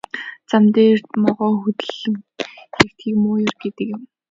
Зам дээр могой хөндлөн хэвтэхийг муу ёр гэдэг юм.